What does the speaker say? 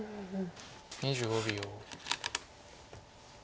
２５秒。